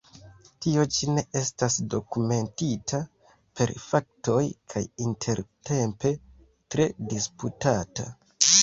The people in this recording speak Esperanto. Tio ĉi ne estas dokumentita per faktoj kaj intertempe tre disputata.